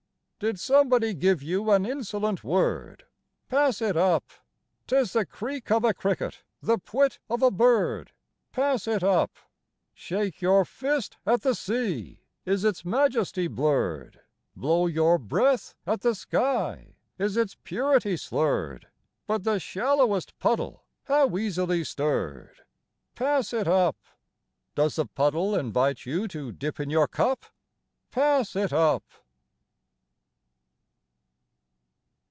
Did somebody give you an insolent word? Pass it up! 'T is the creak of a cricket, the pwit of a bird; Pass it up! Shake your fist at the sea! Is its majesty blurred? Blow your breath at the sky! Is its purity slurred? But the shallowest puddle, how easily stirred! Pass it up! Does the puddle invite you to dip in your cup? Pass it up!